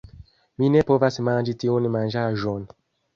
Mi ne povas manĝi tiun manĝaĵon.